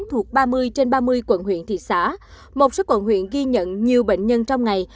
thuộc ba mươi trên ba mươi quận huyện thị xã một số quận huyện ghi nhận nhiều bệnh nhân trong ngày